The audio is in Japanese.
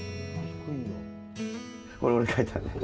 これ俺書いたんだ。